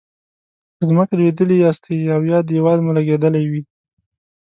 په ځمکه لویدلي یاستئ او یا دیوال مو لګیدلی وي.